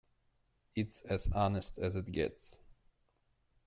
It's as honest as it gets.